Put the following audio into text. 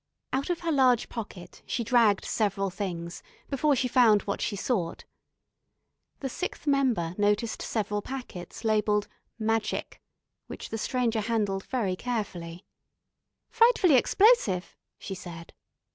Out of her large pocket she dragged several things before she found what she sought. The sixth member noticed several packets labelled MAGIC, which the Stranger handled very carefully. "Frightfully explosive," she said.